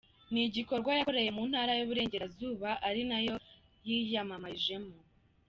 Ni igikorwa yakoreye mu ntara y’Uburengerazuba ari nayo yiyamamarijemo.